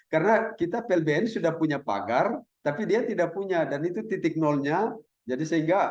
karena kita plbn sudah punya pagar tapi dia tidak punya dan itu titik nolnya jadi sehingga